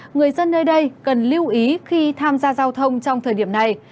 người dân nơi đây cần lưu ý khi tham gia giao thông trong thời điểm này